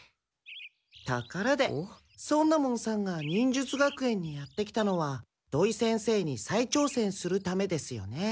ところで尊奈門さんが忍術学園にやって来たのは土井先生に再挑戦するためですよね。